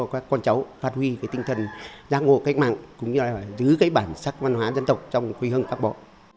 các con cháu phát huy cái tinh thần giác ngộ cách mạng cũng như là giữ cái bản sắc văn hóa dân tộc trong quê hương bác bó